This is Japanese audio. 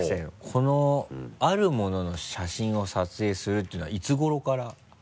この「ある物」の写真を撮影するっていうのはいつ頃から？